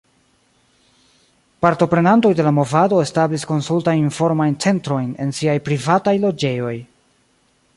Partoprenantoj de la movado establis konsultajn-informajn centrojn en siaj privataj loĝejoj.